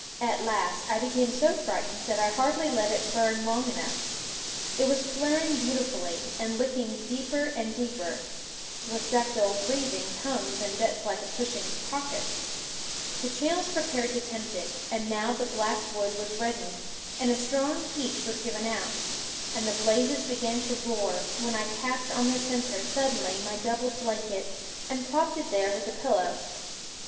At last, I became so frightened, that I hardly let it burn long enough. It was flaring beautifully, and licking deeper and deeper (with ductile wreathing tongues and jets like a pushing crocus), the channels prepared to tempt it; and now the black wood was reddened, and a strong heat was given out, and the blazes began to roar; when I cast on the centre suddenly my doubled blanket, and propped it there with the pillow.